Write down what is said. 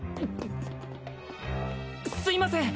すいません